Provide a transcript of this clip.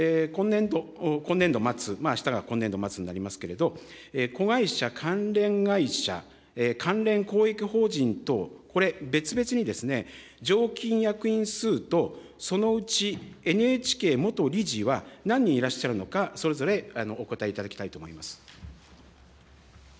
今年度末、あしたが今年度末になりますけれど、子会社、関連会社、関連公益法人等、これ、別々に、常勤役員数と、そのうちＮＨＫ元理事は何人いらっしゃるのか、それぞれお答えいただきたいと思います。